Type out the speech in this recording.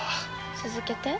続けて。